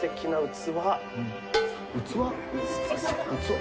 器？